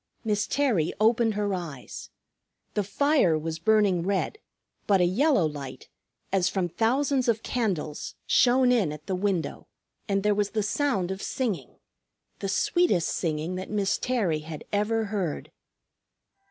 Miss Terry opened her eyes. The fire was burning red; but a yellow light, as from thousands of candles, shone in at the window, and there was the sound of singing, the sweetest singing that Miss Terry had ever heard.